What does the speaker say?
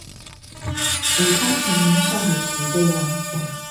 武昌城門上的旗被拉下